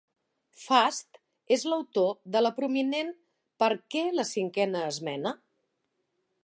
Fast és l'autor de la prominent Per què la cinquena esmena?